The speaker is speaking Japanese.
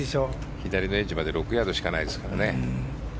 左のエッジまで６ヤードしかないですからね。